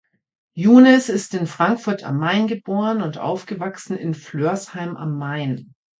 Younes ist in Frankfurt am Main geboren und aufgewachsen in Flörsheim am Main.